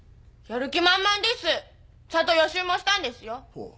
ほう。